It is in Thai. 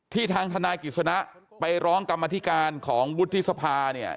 ที่ทางทนาอิกษาน้าไปร้องกรรมธิการของบุฏธิศภาเนี่ย